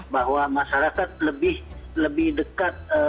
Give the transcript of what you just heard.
bahwa masyarakat lebih dekat